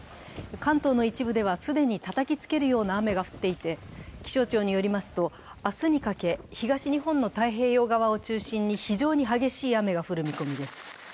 関東の一部では既にたたきつけるような雨が降っていて、気象庁によりますと、明日にかけ東日本の太平洋側を中心に非常に激しい雨が降る見込みです。